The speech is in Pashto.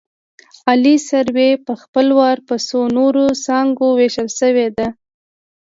عالي سروې په خپل وار په څو نورو څانګو ویشل شوې ده